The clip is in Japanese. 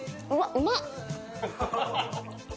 うまっ！